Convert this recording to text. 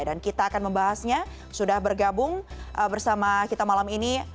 kita akan membahasnya sudah bergabung bersama kita malam ini